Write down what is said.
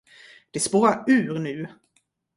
Det spårar ur nu.